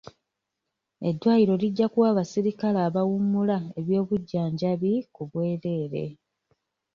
Eddwaliro lijja kuwa abaserikale abawummula eby'obujjanjabi ku bwereere.